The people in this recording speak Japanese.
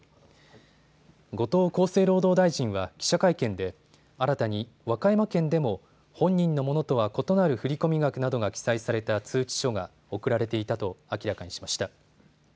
後藤厚生労働大臣は記者会見で新たに和歌山県でも本人のものとは異なる振込額などが記載された通知書が送られていたと明らかにしました。